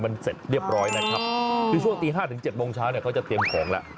คือช่วงตี๕๗โมงเช้าเขาจะเตรียมของแล้ว